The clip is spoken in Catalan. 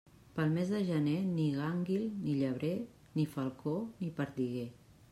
Pel mes de gener, ni gànguil, ni llebrer, ni falcó, ni perdiguer.